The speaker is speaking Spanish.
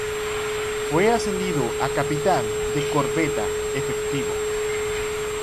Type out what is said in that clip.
Fue ascendido a capitán de corbeta efectivo.